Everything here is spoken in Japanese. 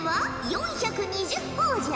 ４２０ほぉじゃ。